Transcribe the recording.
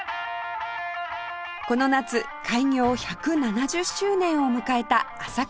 この夏開業１７０周年を迎えた浅草花やしき